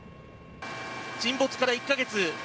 沈没から１か月。